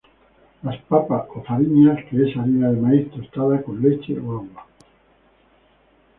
Las "Papas" o "Fariñas" que es harina de maíz tostada con leche o agua.